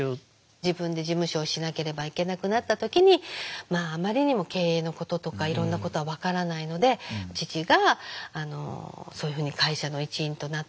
自分で事務所をしなければいけなくなった時にあまりにも経営のこととかいろんなことは分からないので父がそういうふうに会社の一員となって。